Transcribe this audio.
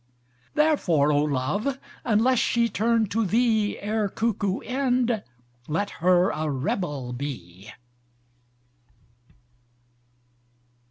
Therefore O love, unless she turn to thee Ere cuckoo end, let her a rebel be.